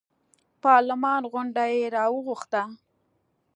پارلمان غونډه یې راوغوښته.